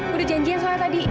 udah janjian soalnya tadi